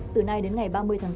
từ nay đến ngày ba mươi